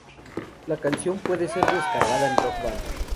La canción puede ser descargada en "Rock Band".